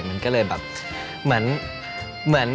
มันก็เลยแบบเหมือน